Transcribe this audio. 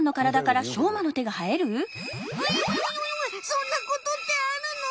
そんなことってあるの！？